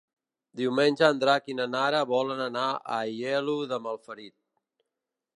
Diumenge en Drac i na Nara volen anar a Aielo de Malferit.